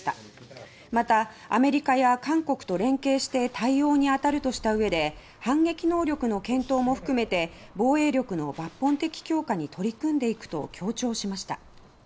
また、アメリカや韓国と連携して対応に当たるとしたうえで反撃能力の検討も含めて防衛力の抜本的強化に取り組んでいくと強調しました。